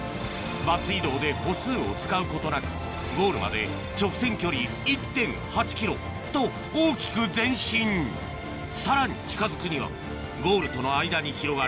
バス移動で歩数を使うことなくゴールまでと大きく前進さらに近づくにはゴールとの間に広がる